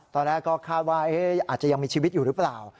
ตอนแรกก็คาดว่าอาจจะยังมีชีวิตอยู่หรือเปล่า